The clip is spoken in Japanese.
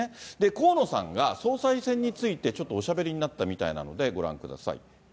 河野さんが総裁選について、ちょっとおしゃべりになったみたいなので、ご覧ください。